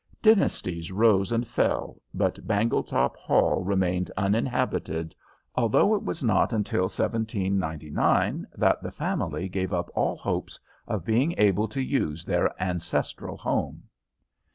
Dynasties rose and fell, but Bangletop Hall remained uninhabited, although it was not until 1799 that the family gave up all hopes of being able to use their ancestral home.